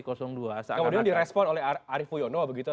kalau dia direspon oleh arief puyono begitu atau